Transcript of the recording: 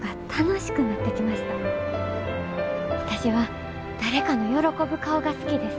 私は誰かの喜ぶ顔が好きです。